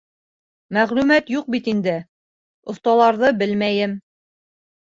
Мәғлүмәт юҡ бит инде, оҫталарҙы белмәйем.